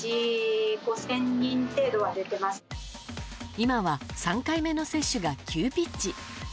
今は３回目の接種が急ピッチ。